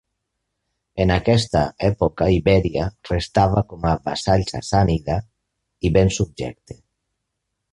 En aquesta època Ibèria restava com a vassall sassànida, i ben subjecte.